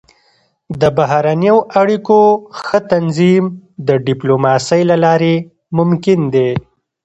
د بهرنیو اړیکو ښه تنظیم د ډيپلوماسۍ له لارې ممکن دی.